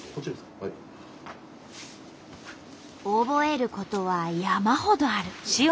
覚えることは山ほどある。